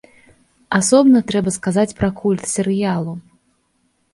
Асобна трэба сказаць пра культ серыялу.